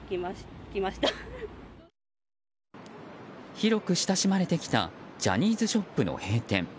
広く親しまれてきたジャニーズショップの閉店。